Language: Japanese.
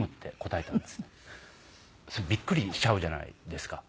ビックリしちゃうじゃないですか。